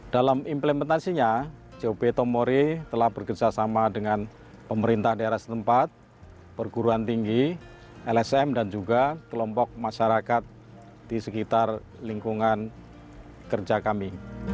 dalam implementasinya job tomori telah bekerjasama dengan pemerintah daerah setempat perguruan tinggi lsm dan juga kelompok masyarakat di sekitar lingkungan kerja kami